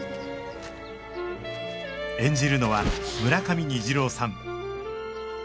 演じるのは村上虹郎さん